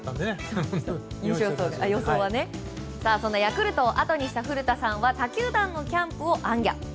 そんなヤクルトをあとにした古田さんは他球団のキャンプを行脚。